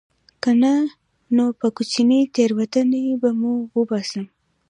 که نه نو په کوچنۍ تېروتنې به مو وباسم